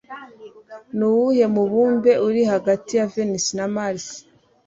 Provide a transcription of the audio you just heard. Nuwuhe mubumbe uri hagati ya Venusi na Mars?